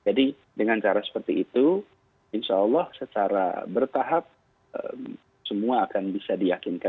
jadi dengan cara seperti itu insya allah secara bertahap semua akan bisa diyakinkan